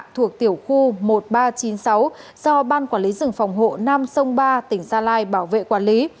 thuộc tiểu khu một nghìn ba trăm chín mươi sáu do ban quản lý rừng phòng hộ nam sông ba tỉnh gia lai bảo vệ quản lý